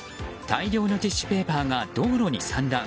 大量のティッシュペーパーが道路に散乱。